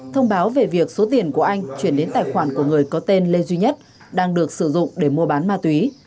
thông báo về việc số tiền của anh chuyển đến tài khoản của người có tên lê duy nhất đang được sử dụng để mua bán ma túy